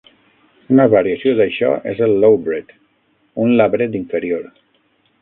Una variació d'això és el "lowbret", un labret inferior.